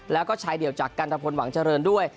แล้วก็ชายเดี่ยวจากกันทะพลหวังเจริญด้วย